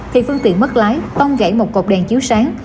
thì phương tiện mất lái tông gãy một cột đèn chiếu sáng